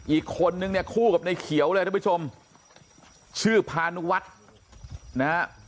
อีกคนนึงเนี่ยคู่กับในเขียวเลยท่านผู้ชมชื่อพานุวัฒน์นะฮะ